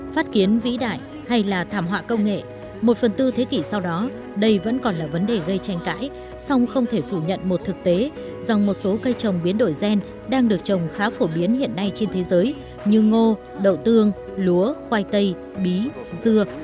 phát kiến vĩ đại hay là thảm họa công nghệ một phần tư thế kỷ sau đó đây vẫn còn là vấn đề gây tranh cãi song không thể phủ nhận một thực tế rằng một số cây trồng biến đổi gen đang được trồng khá phổ biến hiện nay trên thế giới như ngô đậu tương lúa khoai tây bí dưa